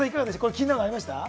気になるものありましたか？